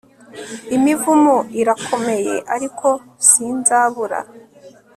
Imivumo irakomeye ariko sinzabura